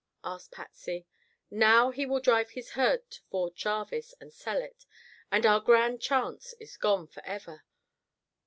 asked Patsy. "Now he will drive his herd to Fort Jarvis and sell it, and our grand chance is gone forever."